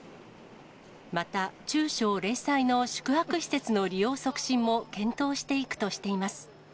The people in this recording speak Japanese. また、中小零細の宿泊施設の利用促進も検討していくとしています。